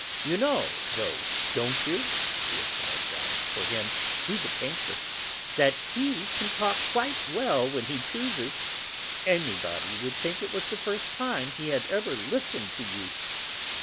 You know, though, don't you," she apologised for him to the painter, "that he can talk quite well when he chooses; anybody would think it was the first time he had ever listened to you.